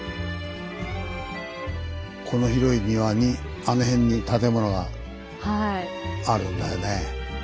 この広い庭にあの辺に建物があるんだよね。